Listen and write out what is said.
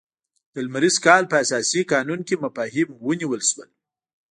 د لمریز کال په اساسي قانون کې مفاهیم ونیول شول.